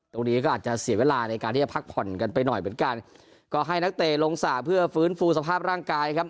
ตรงนี้ก็อาจจะเสียเวลาในการที่จะพักผ่อนกันไปหน่อยเหมือนกันก็ให้นักเตะลงสระเพื่อฟื้นฟูสภาพร่างกายครับ